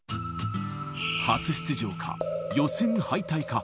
初出場か、予選敗退か。